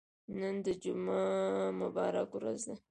نن د جمعه مبارکه ورځ ده.